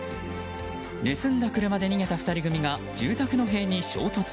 盗んだ車で逃げた２人組が住宅の塀に衝突。